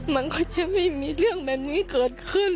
มันก็จะไม่มีเรื่องแบบนี้เกิดขึ้น